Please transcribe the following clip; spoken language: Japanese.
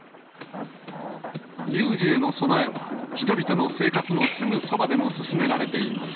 有事への備えは人々の生活のすぐそばでも進められています。